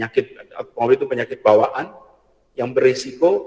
komorbit itu penyakit bawaan yang berisiko